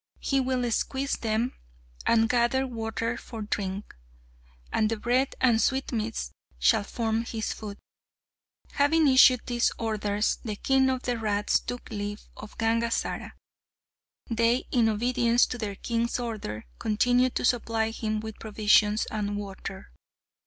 He will squeeze them and gather water for drink! and the bread and sweetmeats shall form his food." Having issued these orders, the king of the rats took leave of Gangazara. They, in obedience to their king's order, continued to supply him with provisions and water.